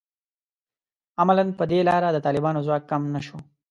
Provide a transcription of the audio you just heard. عملاً په دې لاره د طالبانو ځواک کم نه شو